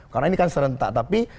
karena ini kan serentak tapi